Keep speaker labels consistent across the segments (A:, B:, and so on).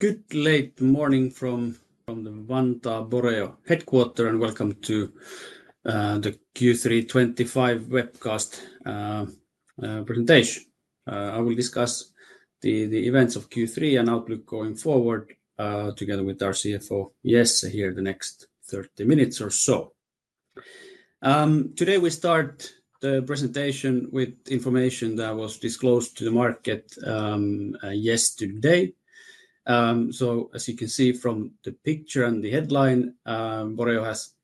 A: Good late morning from the Vantaa Boreo headquarters, and welcome to the Q3 2025 webcast presentation. I will discuss the events of Q3 and outlook going forward together with our CFO, Jesse, here in the next 30 minutes or so. Today, we start the presentation with information that was disclosed to the market yesterday. As you can see from the picture and the headline, Boreo has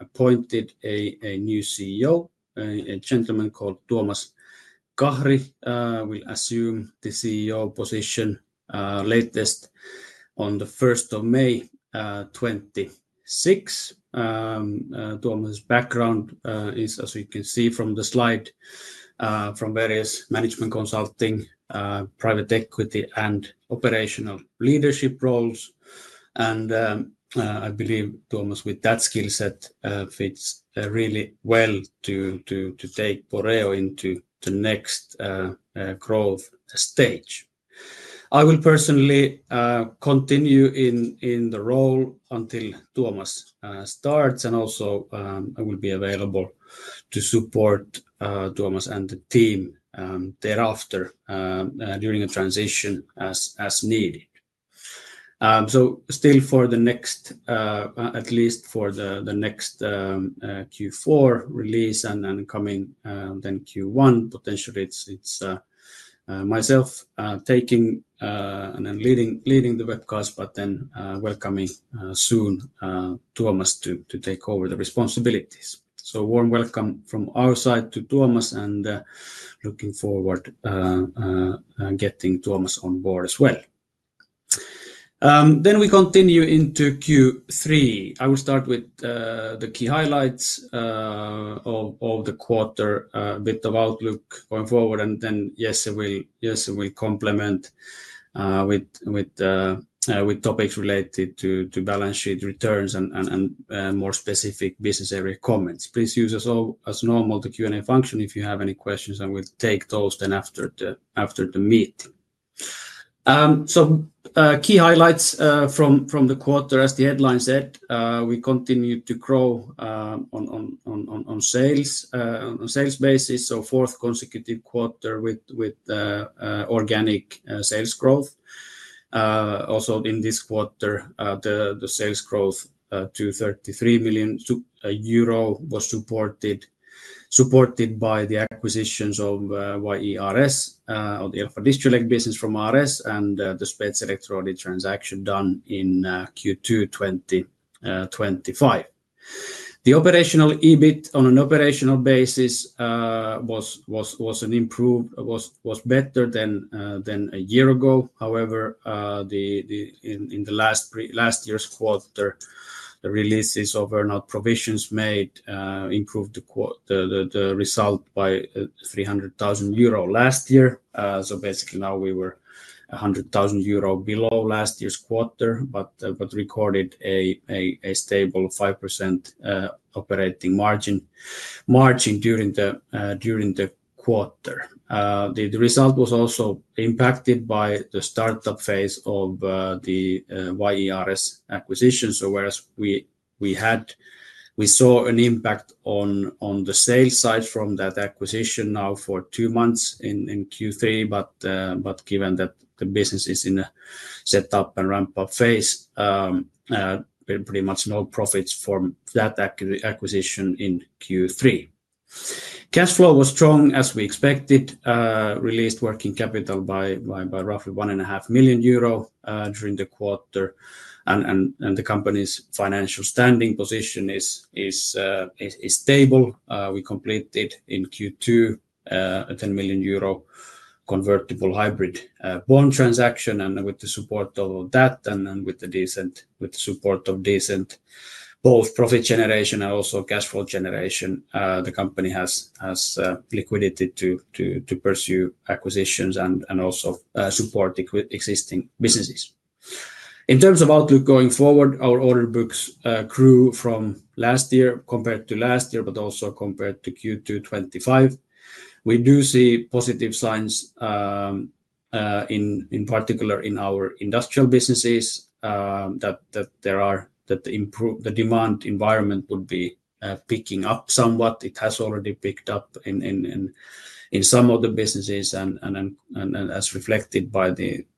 A: appointed a new CEO, a gentleman called Tuomas Kahri. He will assume the CEO position latest on the 1st of May 2026. Tuomas' background is, as you can see from the slide, from various management consulting, private equity, and operational leadership roles. I believe Tuomas, with that skill set, fits really well to take Boreo into the next growth stage. I will personally continue in the role until Tuomas starts, and also I will be available to support Tuomas and the team thereafter during a transition as needed. Still for the next, at least for the next Q4 release and then coming then Q1, potentially it's myself taking and then leading the webcast, but then welcoming soon Tuomas to take over the responsibilities. Warm welcome from our side to Tuomas, and looking forward to getting Tuomas on board as well. We continue into Q3. I will start with the key highlights of the quarter, a bit of outlook going forward, and then Jesse will complement with topics related to balance sheet returns and more specific business area comments. Please use as normal the Q&A function if you have any questions, and we'll take those then after the meeting. Key highlights from the quarter, as the headline said, we continue to grow on sales basis, so fourth consecutive quarter with organic sales growth. Also, in this quarter, the sales growth to 33 million euro was supported by the acquisitions of YE RS, or the Elfa Distrelec business from RS, and the Spetselektroodi AS transaction done in Q2 2025. The operational EBIT on an operational basis was better than a year ago; however, in the last year's quarter, the releases of our provisions made improved the result by 300,000 euro last year. Basically now we were 100,000 euro below last year's quarter, but recorded a stable 5% operating margin during the quarter. The result was also impacted by the startup phase of the YE RS acquisition. Whereas we saw an impact on the sales side from that acquisition now for two months in Q3, given that the business is in a setup and ramp-up phase, pretty much no profits from that acquisition in Q3. Cash flow was strong as we expected, released working capital by roughly 1.5 million euro during the quarter, and the company's financial standing position is stable. We completed in Q2 a 10 million euro convertible hybrid bond transaction, and with the support of that and with the support of decent both profit generation and also cash flow generation, the company has liquidity to pursue acquisitions and also support existing businesses. In terms of outlook going forward, our order books grew from last year compared to last year, but also compared to Q2 2025. We do see positive signs, in particular in our industrial businesses, that the demand environment would be picking up somewhat. It has already picked up in some of the businesses, as reflected by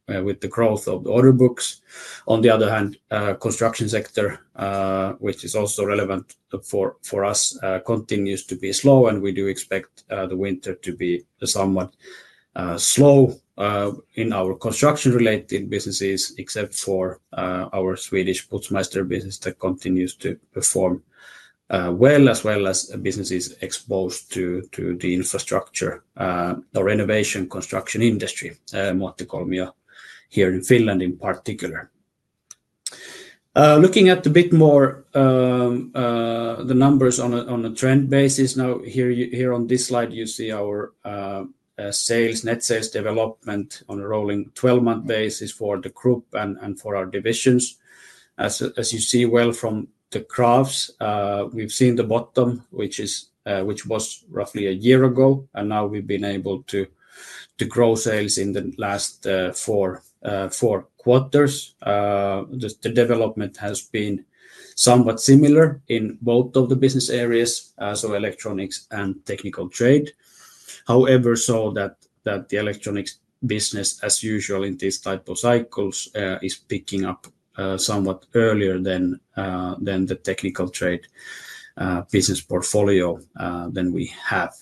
A: the growth of the order books. On the other hand, the construction sector, which is also relevant for us, continues to be slow, and we do expect the winter to be somewhat slow in our construction-related businesses, except for our Swedish Putzmeister business that continues to perform well, as well as businesses exposed to the infrastructure or renovation construction industry, Mottakolmio here in Finland in particular. Looking at a bit more the numbers on a trend basis, now here on this slide, you see our net sales development on a rolling 12-month basis for the group and for our divisions. As you see well from the graphs, we've seen the bottom, which was roughly a year ago, and now we've been able to grow sales in the last four quarters. The development has been somewhat similar in both of the business areas, so electronics and technical trade. However, so that the electronics business, as usual in this type of cycles, is picking up somewhat earlier than the technical trade business portfolio that we have.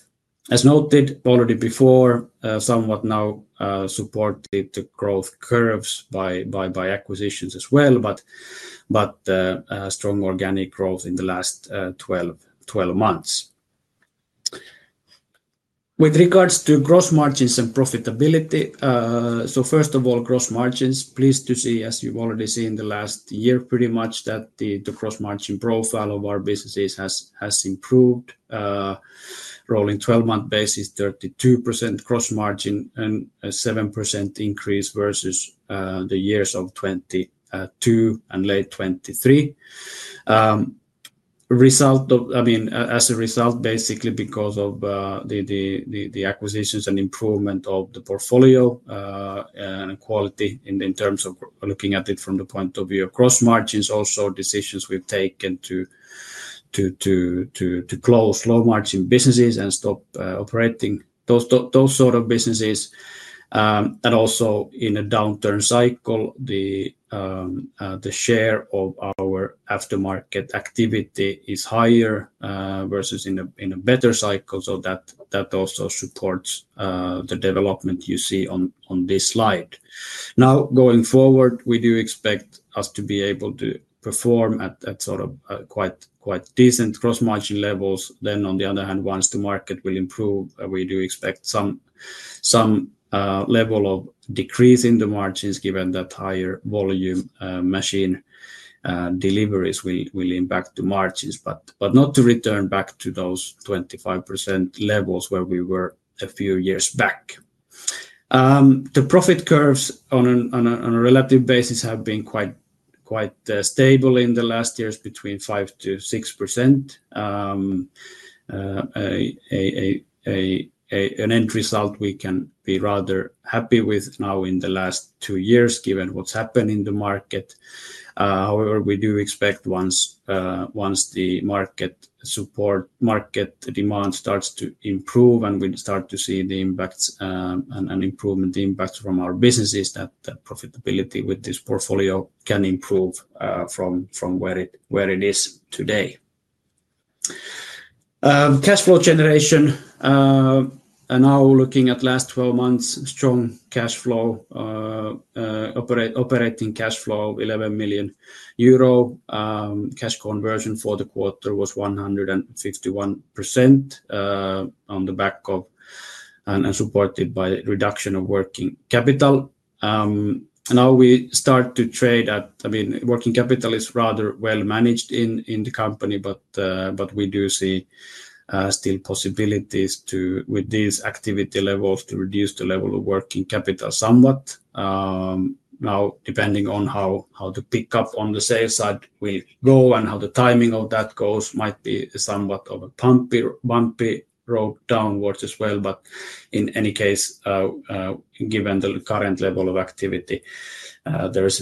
A: As noted already before, somewhat now supported the growth curves by acquisitions as well, but strong organic growth in the last 12 months. With regards to gross margins and profitability, so first of all, gross margins, pleased to see, as you've already seen in the last year, pretty much that the gross margin profile of our businesses has improved. Rolling 12-month basis, 32% gross margin and a 7% increase versus the years of 2022 and late 2023. As a result, basically because of the acquisitions and improvement of the portfolio and quality in terms of looking at it from the point of view of gross margins, also decisions we've taken to close low-margin businesses and stop operating those sort of businesses. Also, in a downturn cycle, the share of our aftermarket activity is higher versus in a better cycle, so that also supports the development you see on this slide. Now, going forward, we do expect us to be able to perform at quite decent gross margin levels. On the other hand, once the market will improve, we do expect some level of decrease in the margins given that higher volume machine deliveries will impact the margins, but not to return back to those 25% levels where we were a few years back. The profit curves on a relative basis have been quite stable in the last years, between 5% - 6%. An end result we can be rather happy with now in the last two years given what's happened in the market. However, we do expect once the market demand starts to improve and we start to see the impacts and improvement impacts from our businesses that profitability with this portfolio can improve from where it is today. Cash flow generation, and now looking at the last 12 months, strong cash flow, operating cash flow 11 million euro. Cash conversion for the quarter was 151% on the back of and supported by the reduction of working capital. Now we start to trade at, I mean, working capital is rather well managed in the company, but we do see still possibilities with these activity levels to reduce the level of working capital somewhat. Depending on how to pick up on the sales side we go and how the timing of that goes, it might be somewhat of a bumpy road downwards as well. In any case, given the current level of activity, there is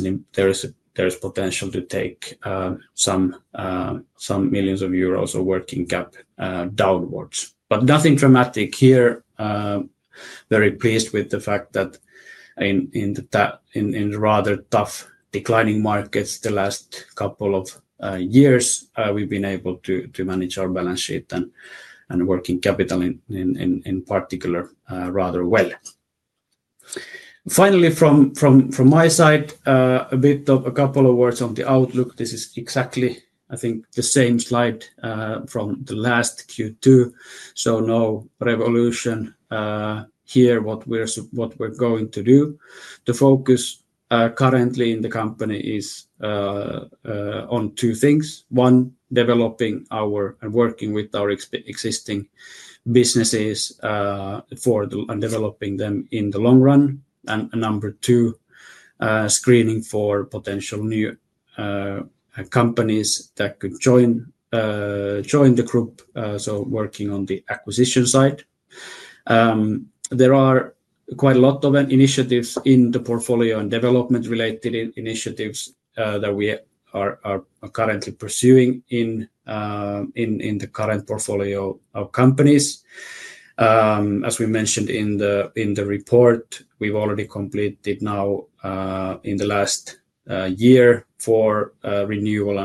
A: potential to take some millions of euros of working cap downwards. Nothing dramatic here. Very pleased with the fact that in the rather tough declining markets the last couple of years, we've been able to manage our balance sheet and working capital in particular rather well. Finally, from my side, a bit of a couple of words on the outlook. This is exactly, I think, the same slide from the last Q2. No revolution here. What we're going to do, the focus currently in the company is on two things. One, developing our and working with our existing businesses for developing them in the long run. Number two, screening for potential new companies that could join the group, so working on the acquisition side. There are quite a lot of initiatives in the portfolio and development-related initiatives that we are currently pursuing in the current portfolio of companies. As we mentioned in the report, we've already completed now in the last year four renewal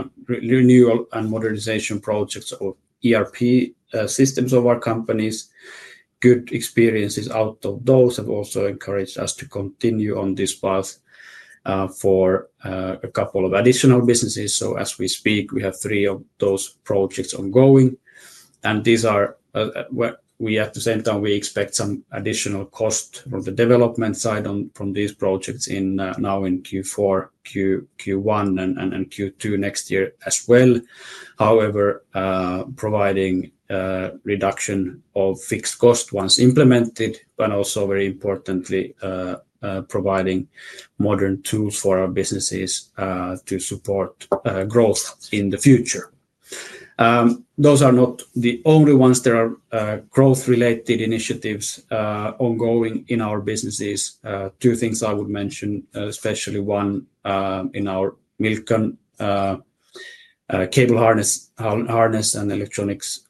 A: and modernization projects of ERP systems of our companies. Good experiences out of those have also encouraged us to continue on this path for a couple of additional businesses. As we speak, we have three of those projects ongoing. At the same time, we expect some additional cost from the development side from these projects now in Q4, Q1, and Q2 next year as well. However, providing a reduction of fixed cost once implemented, but also very importantly, providing modern tools for our businesses to support growth in the future. Those are not the only ones. There are growth-related initiatives ongoing in our businesses. Two things I would mention, especially one in our Milcon cable harness and electronics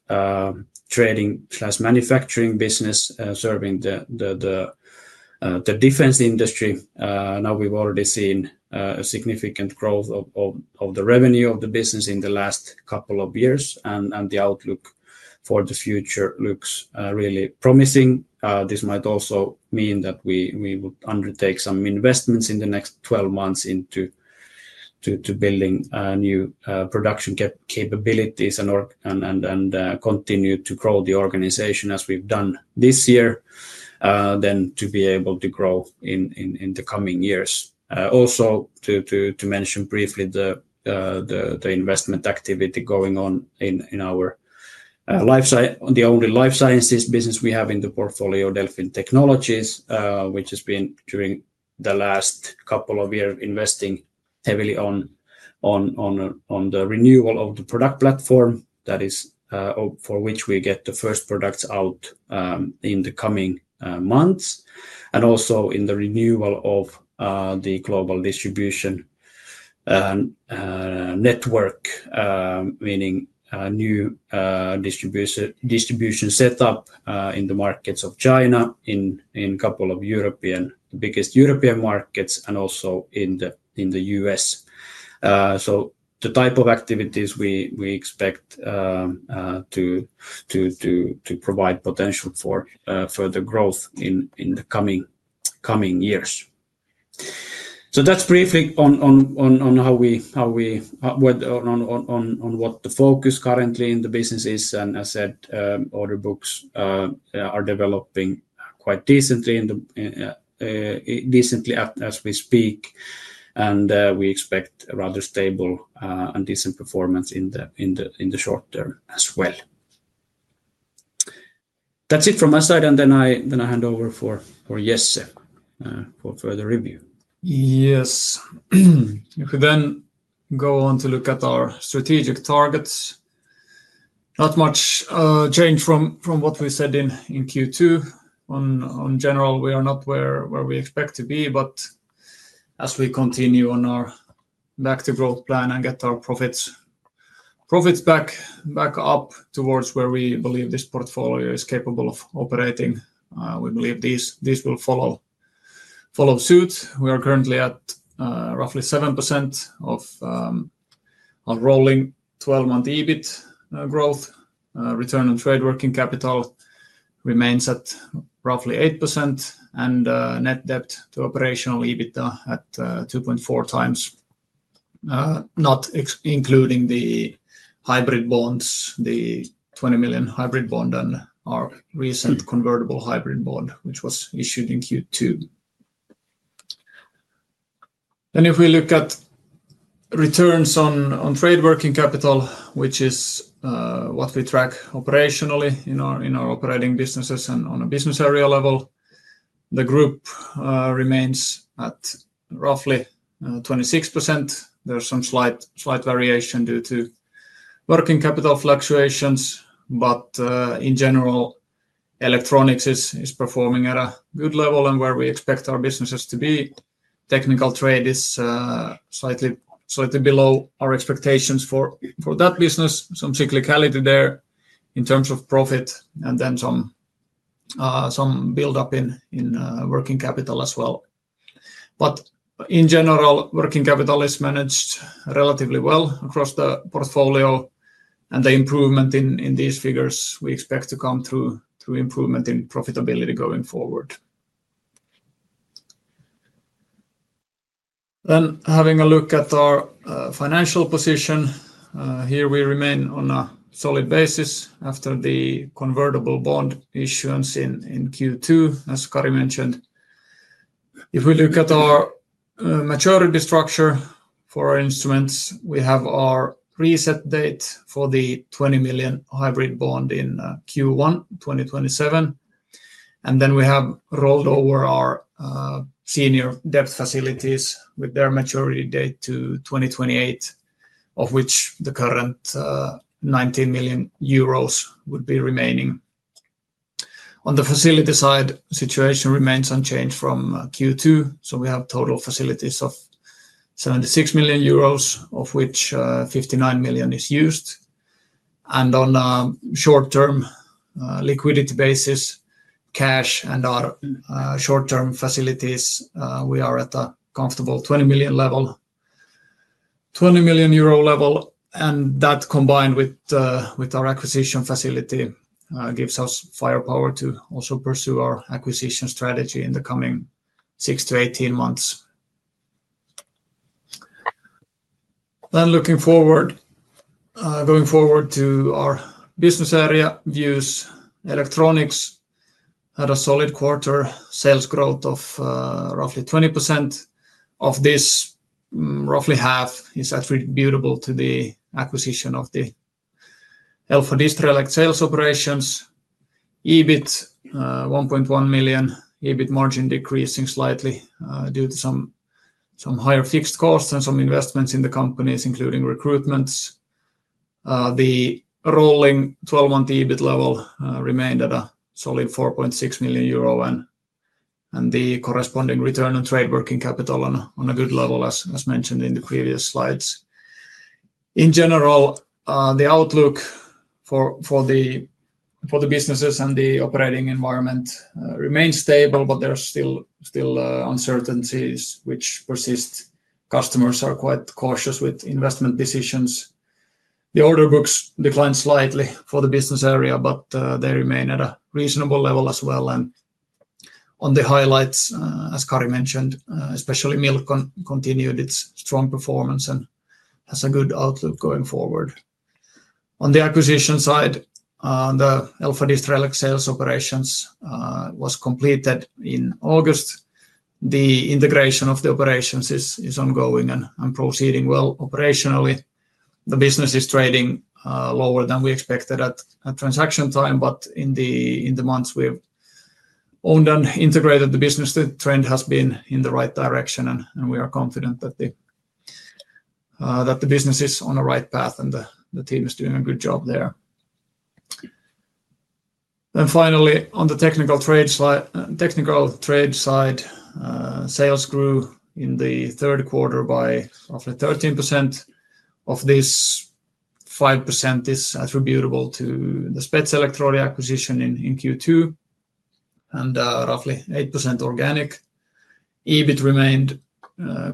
A: trading plus manufacturing business serving the defense industry. We've already seen a significant growth of the revenue of the business in the last couple of years, and the outlook for the future looks really promising. This might also mean that we would undertake some investments in the next 12 months into building new production capabilities and continue to grow the organization as we've done this year, then to be able to grow in the coming years. Also, to mention briefly the investment activity going on in our life science, the only life sciences business we have in the portfolio, Delfin Technologies, which has been during the last couple of years investing heavily on the renewal of the product platform for which we get the first products out in the coming months, and also in the renewal of the global distribution network, meaning new distribution setup in the markets of China, in a couple of the biggest European markets, and also in the U.S. The type of activities we expect to provide potential for further growth in the coming years. That's briefly on what the focus currently in the business is, and as I said, order books are developing quite decently as we speak, and we expect a rather stable and decent performance in the short term as well. That's it from my side, and then I hand over for Jesse for further review.
B: Yes. If we then go on to look at our strategic targets, not much change from what we said in Q2. In general, we are not where we expect to be, but as we continue on our back-to-growth plan and get our profits back up towards where we believe this portfolio is capable of operating, we believe these will follow suit. We are currently at roughly 7% of our rolling 12-month EBIT growth. Return on trade working capital remains at roughly 8%, and net debt to operational EBITDA at 2.4 times, not including the hybrid bonds, the 20 million hybrid bond, and our recent convertible hybrid bond, which was issued in Q2. If we look at returns on trade working capital, which is what we track operationally in our operating businesses and on a business area level, the group remains at roughly 26%. There's some slight variation due to working capital fluctuations, but in general, electronics is performing at a good level and where we expect our businesses to be. Technical trade is slightly below our expectations for that business, some cyclicality there in terms of profit, and then some buildup in working capital as well. In general, working capital is managed relatively well across the portfolio, and the improvement in these figures we expect to come through improvement in profitability going forward. Having a look at our financial position, here we remain on a solid basis after the convertible bond issuance in Q2, as Kari mentioned. If we look at our maturity structure for our instruments, we have our reset date for the 20 million hybrid bond in Q1 2027, and we have rolled over our senior debt facilities with their maturity date to 2028, of which the current 19 million euros would be remaining. On the facility side, the situation remains unchanged from Q2, so we have total facilities of 76 million euros, of which 59 million is used. On a short-term liquidity basis, cash and our short-term facilities, we are at a comfortable 20 million level. That combined with our acquisition facility gives us firepower to also pursue our acquisition strategy in the coming 6 - 18 months. Looking forward to our business area views, electronics had a solid quarter sales growth of roughly 20%. Of this, roughly half is attributable to the acquisition of the Elfa Distrelec sales operations. EBIT 1.1 million, EBIT margin decreasing slightly due to some higher fixed costs and some investments in the companies, including recruitments. The rolling 12-month EBIT level remained at a solid 4.6 million euro, and the corresponding return on trade working capital on a good level, as mentioned in the previous slides. In general, the outlook for the businesses and the operating environment remains stable, but there's still uncertainties which persist. Customers are quite cautious with investment decisions. The order books declined slightly for the business area, but they remain at a reasonable level as well. On the highlights, as Kari mentioned, especially Milcon continued its strong performance and has a good outlook going forward. On the acquisition side, the Elfa Distrelec sales operations were completed in August. The integration of the operations is ongoing and proceeding well operationally. The business is trading lower than we expected at transaction time, but in the months we've owned and integrated the business, the trend has been in the right direction, and we are confident that the business is on the right path and the team is doing a good job there. Finally, on the technical trade side, sales grew in the third quarter by roughly 13%. Of this, 5% is attributable to the Spetselektroodi acquisition in Q2, and roughly 8% organic. EBIT remained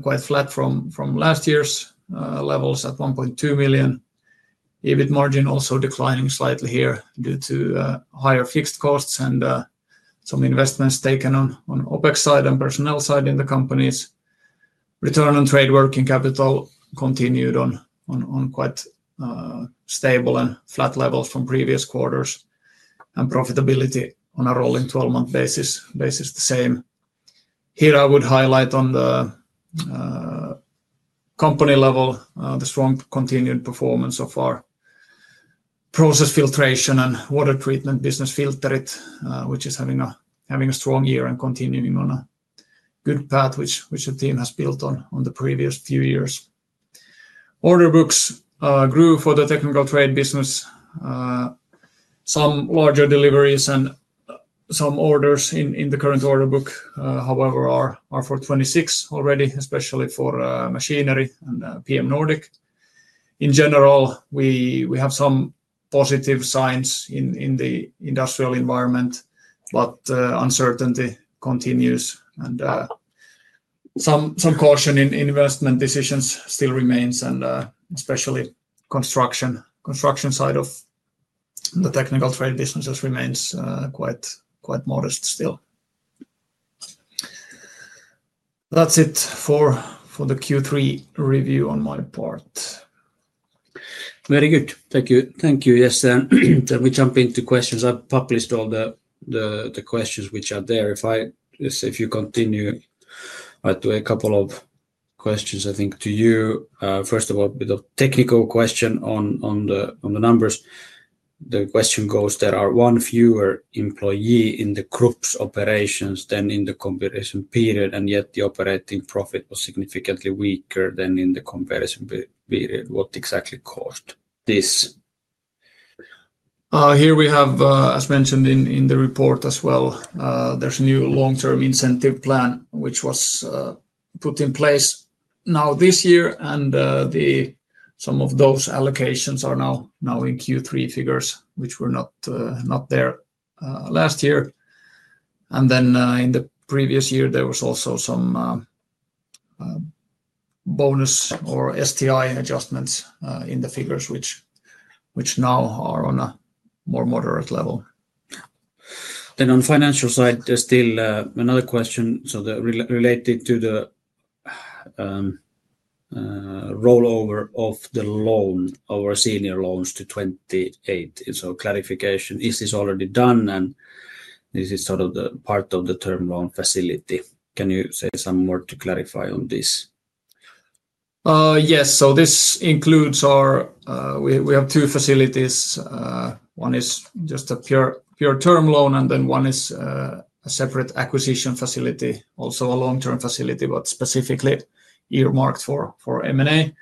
B: quite flat from last year's levels at 1.2 million. EBIT margin also declining slightly here due to higher fixed costs and some investments taken on OpEx side and personnel side in the companies. Return on trade working capital continued on quite stable and flat levels from previous quarters, and profitability on a rolling 12-month basis the same. Here I would highlight on the company level the strong continued performance of our process filtration and water treatment business, Filterit, which is having a strong year and continuing on a good path which the team has built on the previous few years. Order books grew for the technical trade business. Some larger deliveries and some orders in the current order book, however, are for 2026 already, especially for machinery and PM Nordic. In general, we have some positive signs in the industrial environment, but uncertainty continues, and some caution in investment decisions still remains, and especially construction side of the technical trade businesses remains quite modest still. That's it for the Q3 review on my part.
A: Very good. Thank you. Thank you, Jesse. Let me jump into questions. I've published all the questions which are there. If you continue, I do a couple of questions, I think, to you. First of all, a bit of technical question on the numbers. The question goes, there are one fewer employees in the group's operations than in the comparison period, and yet the operating profit was significantly weaker than in the comparison period. What exactly caused this?
B: Here we have, as mentioned in the report as well, there's a new long-term incentive plan which was put in place now this year, and some of those allocations are now in Q3 figures, which were not there last year. In the previous year, there was also some bonus or STI adjustments in the figures, which now are on a more moderate level.
A: On the financial side, there's still another question related to the rollover of the loan, our senior loans to 2028. Is this already done, and is it part of the term loan facility? Can you say some more to clarify on this?
B: Yes, so this includes our, we have two facilities. One is just a pure term loan, and then one is a separate acquisition facility, also a long-term facility, but specifically earmarked for M&A.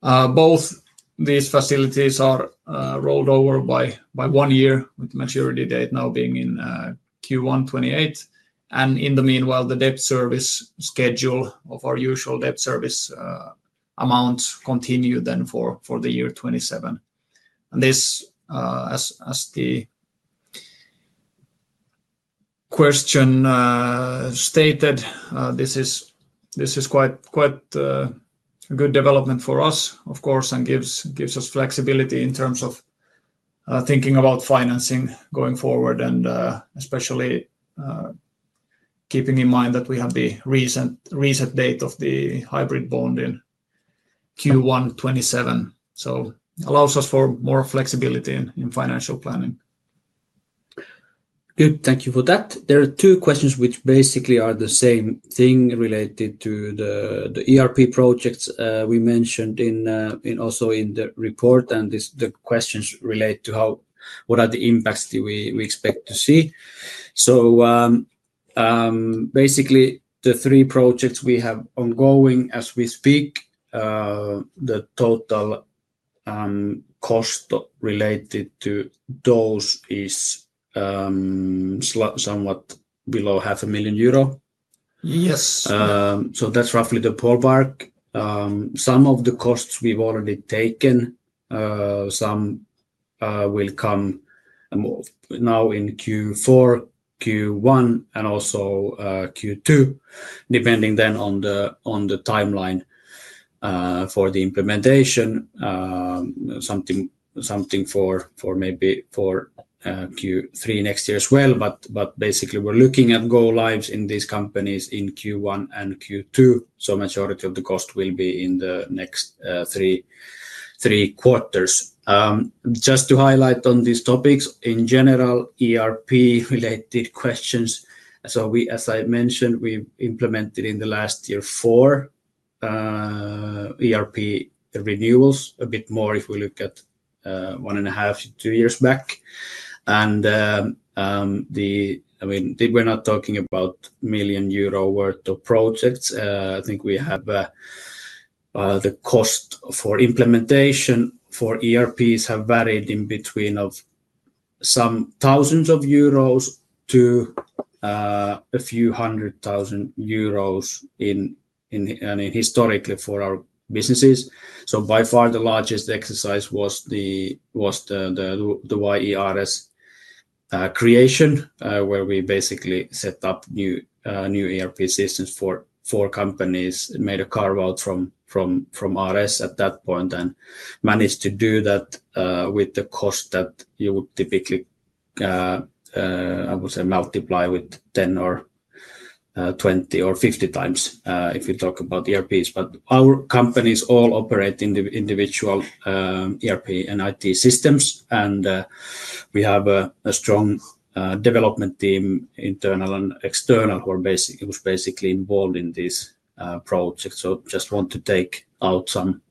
B: Both these facilities are rolled over by one year with the maturity date now being in Q1 2028. In the meanwhile, the debt service schedule of our usual debt service amounts continue then for the year 2027. This, as the question stated, is quite a good development for us, of course, and gives us flexibility in terms of thinking about financing going forward, especially keeping in mind that we have the recent date of the hybrid bond in Q1 2027. It allows us for more flexibility in financial planning.
A: Good. Thank you for that. There are two questions which basically are the same thing related to the ERP projects we mentioned also in the report, and the questions relate to what are the impacts we expect to see. The three projects we have ongoing as we speak, the total cost related to those is somewhat below 0.5 million euro.
B: Yes.
A: That's roughly the ballpark. Some of the costs we've already taken, some will come now in Q4, Q1, and also Q2, depending on the timeline for the implementation. Something for maybe Q3 next year as well, but basically we're looking at go lives in these companies in Q1 and Q2. The majority of the cost will be in the next three quarters. Just to highlight on these topics, in general, ERP-related questions. As I mentioned, we've implemented in the last year four ERP renewals, a bit more if we look at one and a half to two years back. We're not talking about million euro worth of projects. I think we have the cost for implementation for ERPs have varied in between some thousands of euros to a few hundred thousand euros, and historically for our businesses. By far the largest exercise was the YE RS creation, where we basically set up new ERP systems for four companies, made a carve-out from RS at that point, and managed to do that with the cost that you would typically, I would say, multiply with 10 or 20 or 50 times if you talk about ERPs. Our companies all operate in the individual ERP and IT systems, and we have a strong development team, internal and external, who are basically involved in these projects. I just want to take out some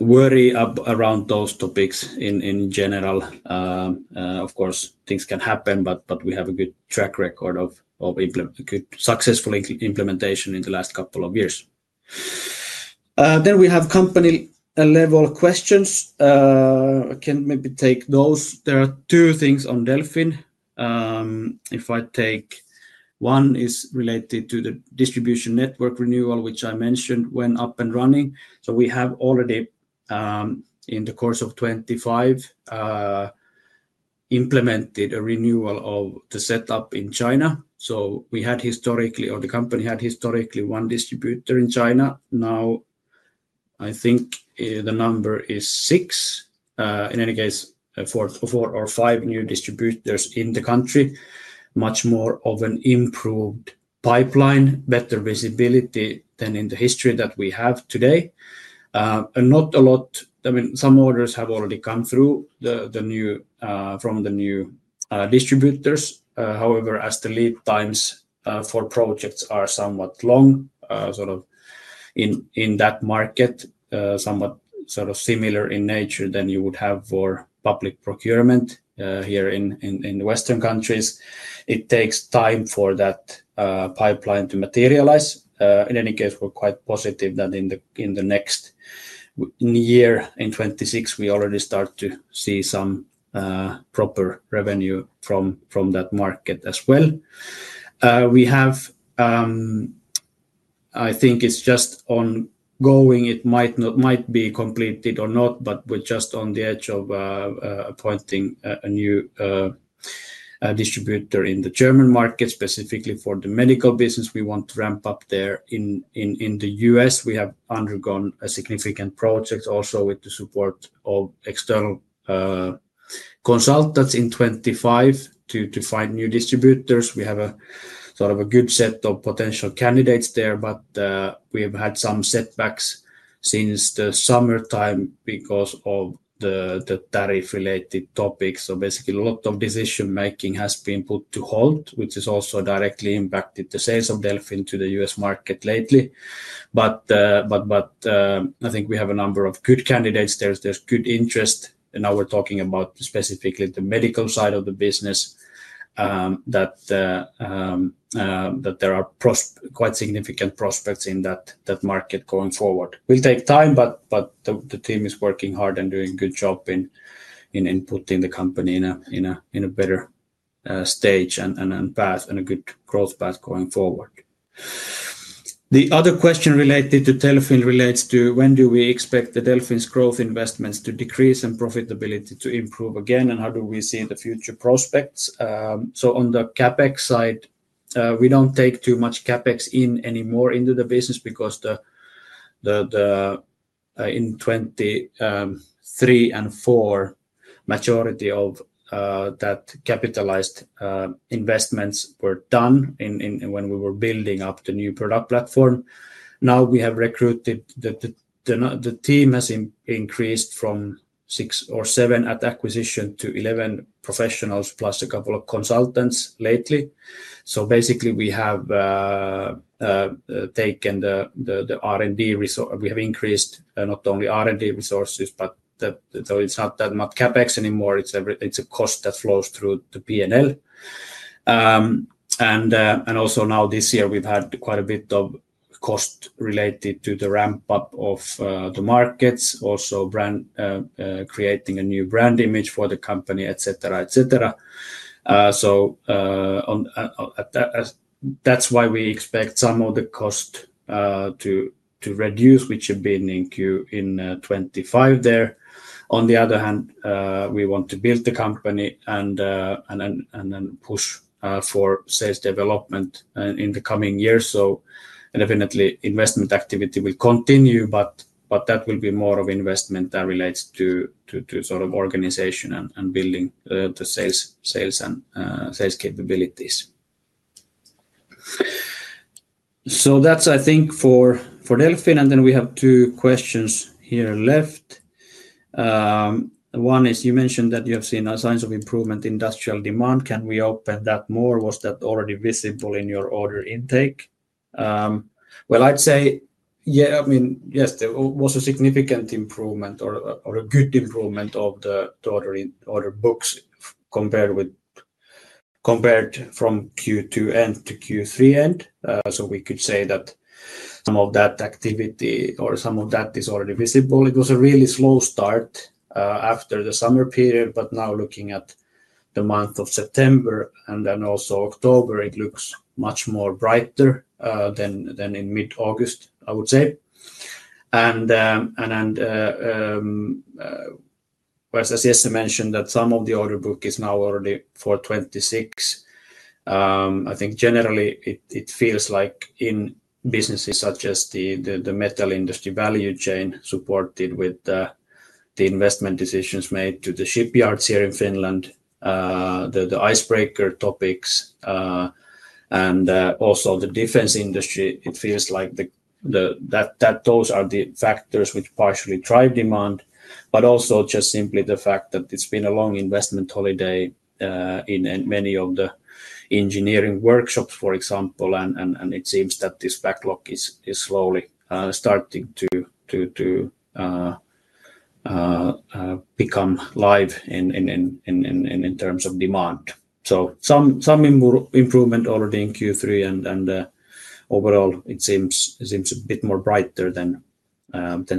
A: worry around those topics in general. Of course, things can happen, but we have a good track record of successful implementation in the last couple of years. We have company-level questions. Can maybe take those. There are two things on Delfin. If I take, one is related to the distribution network renewal, which I mentioned went up and running. We have already in the course of 2025 implemented a renewal of the setup in China. We had historically, or the company had historically, one distributor in China. Now I think the number is six. In any case, four or five new distributors in the country, much more of an improved pipeline, better visibility than in the history that we have today. Not a lot, I mean, some orders have already come through from the new distributors. However, as the lead times for projects are somewhat long in that market, somewhat similar in nature to what you would have for public procurement here in the Western countries, it takes time for that pipeline to materialize. In any case, we're quite positive that in the next year, in 2026, we already start to see some proper revenue from that market as well. I think it's just ongoing. It might be completed or not, but we're just on the edge of appointing a new distributor in the German market, specifically for the medical business. We want to ramp up there in the U.S. We have undergone a significant project also with the support of external consultants in 2025 to find new distributors. We have a sort of a good set of potential candidates there, but we have had some setbacks since the summertime because of the tariff-related topics. Basically, a lot of decision-making has been put to halt, which has also directly impacted the sales of Delfin to the U.S. market lately. I think we have a number of good candidates. There's good interest, and now we're talking about specifically the medical side of the business, that there are quite significant prospects in that market going forward. It will take time, but the team is working hard and doing a good job in putting the company in a better stage and path and a good growth path going forward. The other question related to Delfin relates to when do we expect Delfin's growth investments to decrease and profitability to improve again, and how do we see the future prospects. On the CapEx side, we don't take too much CapEx in anymore into the business because in 2023 and 2024, the majority of that capitalized investments were done when we were building up the new product platform. Now we have recruited, the team has increased from six or seven at acquisition to 11 professionals plus a couple of consultants lately. Basically, we have taken the R&D resources, we have increased not only R&D resources, but it's not that much CapEx anymore. It's a cost that flows through the P&L. Also now this year, we've had quite a bit of cost related to the ramp-up of the markets, also creating a new brand image for the company, etc., etc. That's why we expect some of the cost to reduce, which have been in Q in 2025 there. On the other hand, we want to build the company and then push for sales development in the coming years. Definitely, investment activity will continue, but that will be more of investment that relates to sort of organization and building the sales and sales capabilities. That's, I think, for Delfin, and then we have two questions here left. One is, you mentioned that you have seen signs of improvement in industrial demand. Can we open that more? Was that already visible in your order intake? Yes, there was a significant improvement or a good improvement of the order books compared from Q2 end to Q3 end. We could say that some of that activity or some of that is already visible. It was a really slow start after the summer period, but now looking at the month of September and then also October, it looks much more brighter than in mid-August, I would say. As Jesse mentioned, some of the order book is now already for 2026. I think generally, it feels like in businesses such as the metal industry value chain supported with the investment decisions made to the shipyards here in Finland, the icebreaker topics, and also the defense industry, it feels like those are the factors which partially drive demand, but also just simply the fact that it's been a long investment holiday in many of the engineering workshops, for example, and it seems that this backlog is slowly starting to become live in terms of demand. Some improvement already in Q3, and overall, it seems a bit more brighter than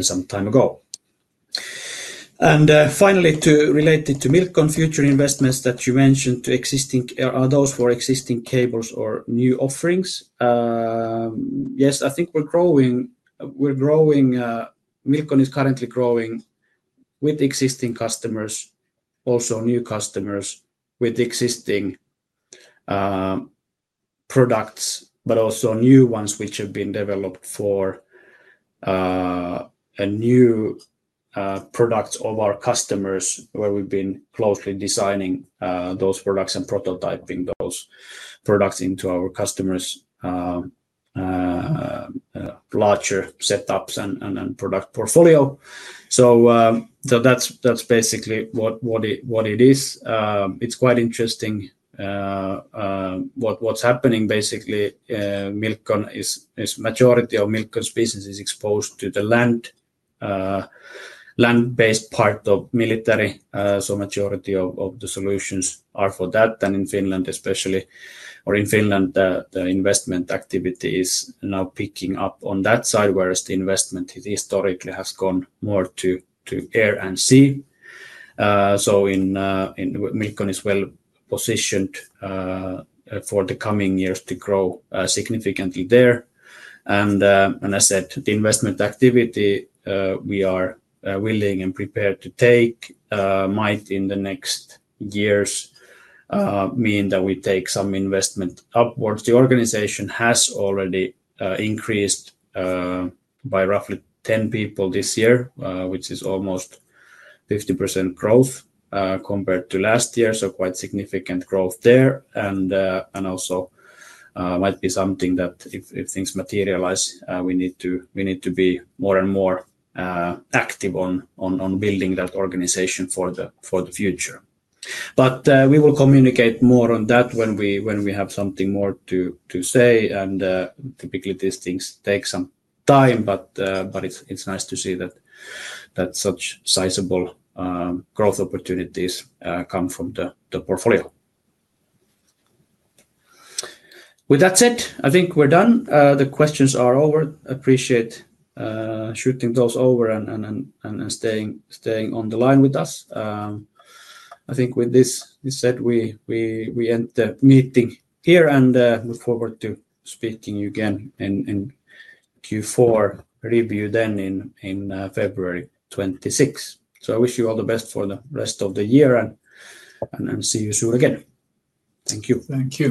A: some time ago. Finally, related to Milcon future investments that you mentioned, are those for existing cables or new offerings? Yes, I think we're growing. Milcon is currently growing with existing customers, also new customers with existing products, but also new ones which have been developed for new products of our customers, where we've been closely designing those products and prototyping those products into our customers' larger setups and product portfolio. That's basically what it is. It's quite interesting what's happening, basically. The majority of Milcon's business is exposed to the land-based part of military, so the majority of the solutions are for that. In Finland especially, the investment activity is now picking up on that side, whereas the investment historically has gone more to air and sea. Milcon is well positioned for the coming years to grow significantly there. As I said, the investment activity we are willing and prepared to take might in the next years mean that we take some investment upwards. The organization has already increased by roughly 10 people this year, which is almost 50% growth compared to last year, so quite significant growth there. Also might be something that if things materialize, we need to be more and more active on building that organization for the future. We will communicate more on that when we have something more to say. Typically, these things take some time, but it's nice to see that such sizable growth opportunities come from the portfolio. With that said, I think we're done. The questions are over. Appreciate shooting those over and staying on the line with us. I think with this said, we end the meeting here and look forward to speaking again in Q4 review then in February 2026. I wish you all the best for the rest of the year and see you soon again. Thank you.
B: Thank you.